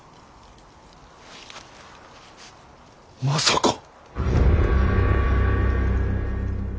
まさか。